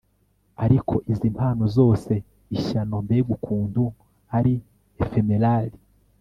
ariko izi mpano zose ishyano! mbega ukuntu ari ephemeral